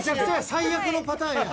最悪のパターンや。